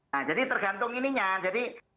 nah jadi tergantung ininya